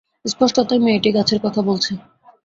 স্পষ্টতই মেয়েটি গাছের কথা বলছে।